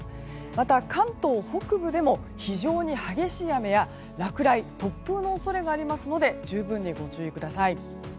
また、関東北部でも非常に激しい雨や落雷、突風の恐れがありますので十分にご注意ください。